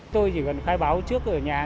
tôi chỉ cần khai báo trước ở nhà